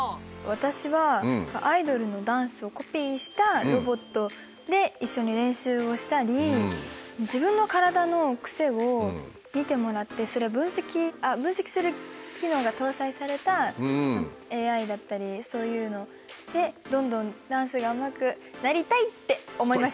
私はアイドルのダンスをコピーしたロボットで一緒に練習をしたり自分の体のクセを見てもらってそれを分析あ分析する機能が搭載されたＡＩだったりそういうのでどんどんダンスがうまくなりたいって思いました。